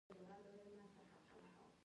د نساجي توکو لویه برخه وړین محصولات وو.